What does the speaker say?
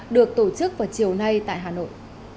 được tổ chức vào chiều nay tại hà nội